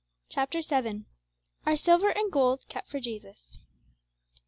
Chapter VII. Our Silver and Gold Kept for Jesus.